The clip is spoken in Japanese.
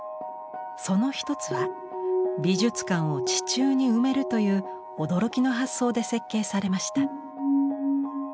その一つは美術館を地中に埋めるという驚きの発想で設計されました。